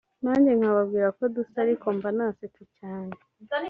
nanjye nkababwira ko dusa ariko mba nasetse cyane